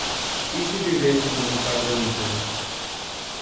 E se vivêssemos no carbonífero?